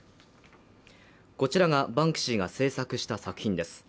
こちらがバンクシーが制作した作品です